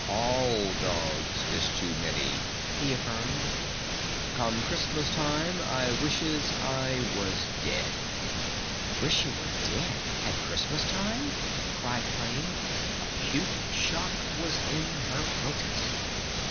"All dogs is too many," he affirmed. "Come Christmas time I wishes I was dead." "Wish you were dead ... at Christmas Time?" cried Flame. Acute shock was in her protest.